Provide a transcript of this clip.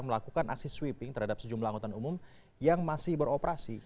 melakukan aksi sweeping terhadap sejumlah anggota umum yang masih beroperasi